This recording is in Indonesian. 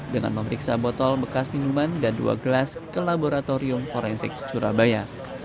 dengan memeriksa botol bekas minuman dan dua gelas ke laboratorium forensik surabaya